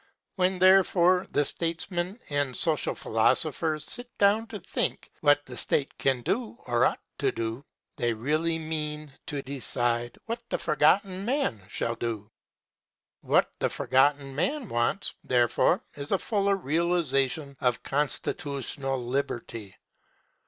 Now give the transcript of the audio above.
When, therefore, the statesmen and social philosophers sit down to think what the State can do or ought to do, they really mean to decide what the Forgotten Man shall do. What the Forgotten Man wants, therefore, is a fuller realization of constitutional liberty.